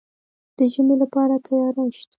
د ژمي لپاره تیاری شته؟